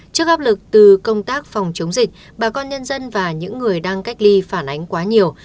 trước áp lực từ công tác phòng chống dịch bà con nhân dân và những người đang cách ly phản ánh quá nhiều